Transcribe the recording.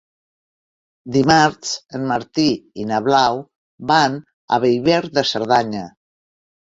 Dimarts en Martí i na Blau van a Bellver de Cerdanya.